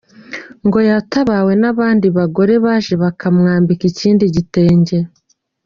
Ngo yatabawe n’abandi bagore baje bakamwambika ikindi gitenge.